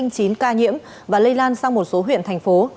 chín ca nhiễm và lây lan sang một số huyện thành phố